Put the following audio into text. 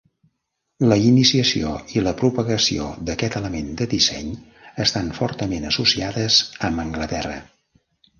La iniciació i la propagació d'aquest element de disseny estan fortament associades amb Anglaterra.